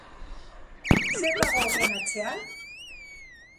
Zer dago horren atzean?